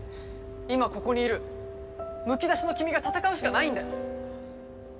今ここにいるむき出しの君が戦うしかないんだよ。